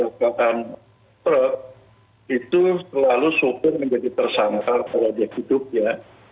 kalau ada kecelakaan maut itu selalu sukur menjadi tersangkar pada dia hidup ya